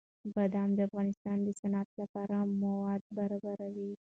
بادام د افغانستان د صنعت لپاره مواد برابروي.